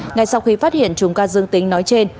ngay sau khi phát hiện chúng ca dương tính nói trên